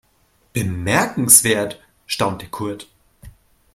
"Bemerkenswert", staunte Kurt.